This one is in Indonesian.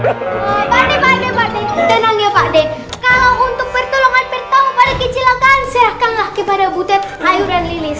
pak d pak d pak d tenang ya pak d kalo untuk pertolongan pertama pak d kecilahkan serahkan lah kepada bu ted ayo dan lilihs